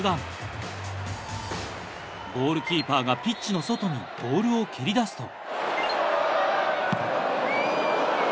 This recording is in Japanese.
ゴールキーパーがピッチの外にボールを蹴り出すと。